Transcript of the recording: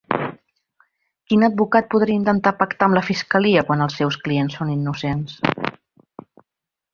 Quin advocat podria intentar pactar amb la fiscalia quan els seus clients són innocents?